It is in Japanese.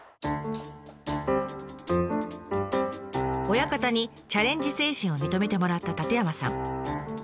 親方にチャレンジ精神を認めてもらった舘山さん。